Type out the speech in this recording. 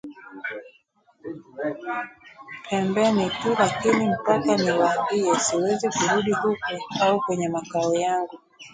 Pembeni tu, lakini mpaka niwaambie, siwezi kurudi huko au kwenye makao yangu